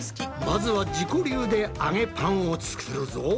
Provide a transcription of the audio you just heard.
まずは自己流で揚げパンを作るぞ！